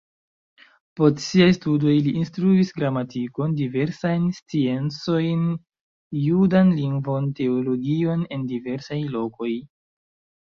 Post siaj studoj li instruis gramatikon, diversajn sciencojn, judan lingvon, teologion en diversaj lokoj.